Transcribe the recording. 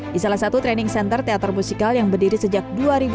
di salah satu training center teater musikal yang berdiri sejak dua ribu tujuh belas